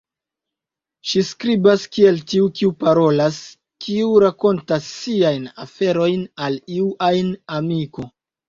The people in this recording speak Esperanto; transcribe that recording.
Ŝi skribas kiel tiu kiu parolas, kiu rakontas siajn aferojn al iu ajn amiko.